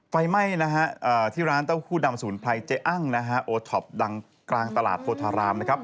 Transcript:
ไฟไหม้นะฮะที่ร้านเต้าหู้ดำสมุนไพรเจ๊อั้งนะฮะโอท็อปดังกลางตลาดโพธารามนะครับ